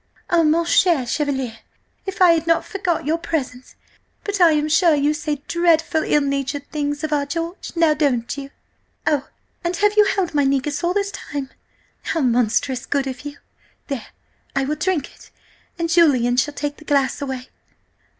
Oh, mon cher Chevalier! if I had not forgot your presence! But I am sure you say dreadful ill natured things of our George, now don't you? Oh, and have you held my negus all this time? How monstrous good of you! There, I will drink it, and Julian shall take the glass away